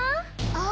あ！